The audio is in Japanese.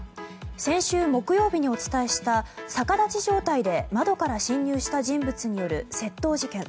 先週木曜日にお伝えした逆立ち状態で窓から侵入した人物による窃盗事件。